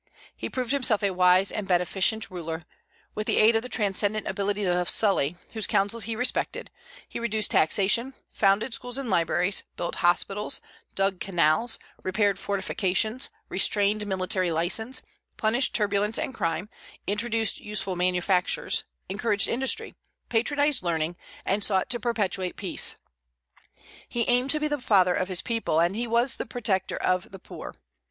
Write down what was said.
He proved himself a wise and beneficent ruler; with the aid of the transcendent abilities of Sully, whose counsels he respected, he reduced taxation, founded schools and libraries, built hospitals, dug canals, repaired fortifications, restrained military license, punished turbulence and crime, introduced useful manufactures, encouraged industry, patronized learning, and sought to perpetuate peace. He aimed to be the father of his people, and he was the protector of the poor.